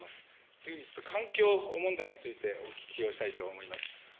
次に環境問題についてお聞きをしたいと思います。